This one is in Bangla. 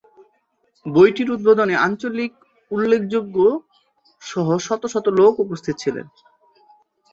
বইটির উদ্বোধনে আঞ্চলিক উল্লেখযোগ্য সহ শত শত লোক উপস্থিত ছিলেন।